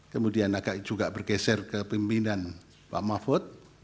kemudian agak juga bergeser kepemimpinan pak mahfud